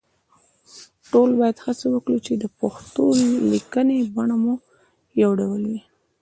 ټول باید هڅه وکړو چې د پښتو لیکنې بڼه مو يو ډول وي